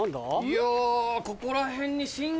いやここら辺に。